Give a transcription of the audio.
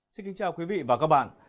xin kính chào quý vị và các bạn